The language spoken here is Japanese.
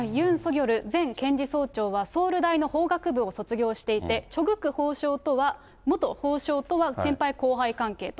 ソギョル前検事総長はソウル大学法学部を卒業していて、チョ・グク元法相とは先輩後輩関係と。